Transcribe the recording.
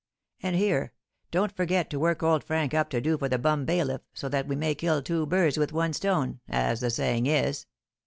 And here; don't forget to work old Frank up to do for the bum bailiff, so that we may kill two birds with one stone, as the saying is."